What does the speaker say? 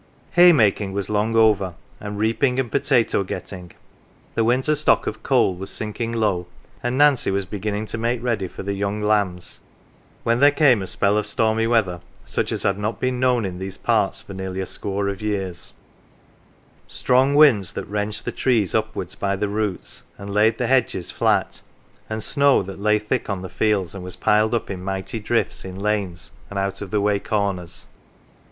Hay making was long over, and reaping, and potato getting ; the winter stock of coal was sinking low, and Nancy was beginning to make ready for the young lambs, when there came a spell of stormy weather such as had not been known in these parts for nearly a score of years : strong winds that wrenched the trees upwards by the roots, and laid the hedges flat ; and snow that lay thick on the fields and was piled up in mighty drifts in lanes and out of the way corners.